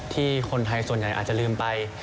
ที่คนไทยส่วนใหญ่อาจจะลืมไป